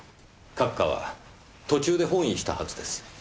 閣下は途中で翻意したはずです。